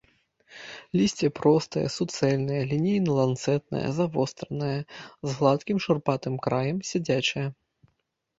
Лісце простае, суцэльнае, лінейна-ланцэтнае, завостранае, з гладкім шурпатым краем, сядзячае.